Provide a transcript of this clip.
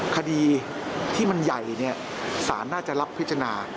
คดีที่มันใหญ่สารน่าจะรับพิจารณา